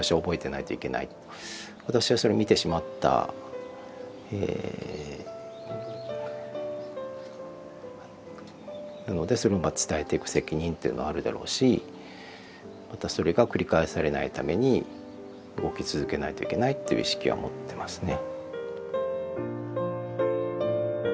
私はそれを見てしまったのでそれを伝えていく責任っていうのはあるだろうしまたそれが繰り返されないために動き続けないといけないっていう意識は持ってますね。